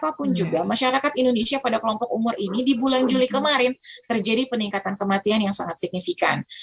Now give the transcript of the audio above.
apapun juga masyarakat indonesia pada kelompok umur ini di bulan juli kemarin terjadi peningkatan kematian yang sangat signifikan